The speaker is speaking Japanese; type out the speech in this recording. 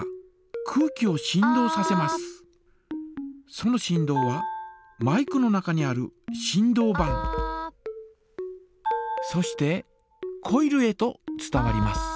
その振動はマイクの中にある振動板そしてコイルへと伝わります。